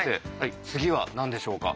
次は何でしょうか？